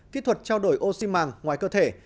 kỹ thuật trao đổi oxy màng ngoài cơ thể